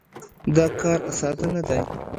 دا کار ساده نه دی.